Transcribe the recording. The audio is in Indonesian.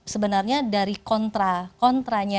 sebenarnya dari kontra